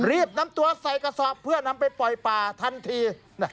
รีบนำตัวใส่กระสอบเพื่อนำไปปล่อยป่าทันที